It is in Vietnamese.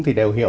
thì đều hiểu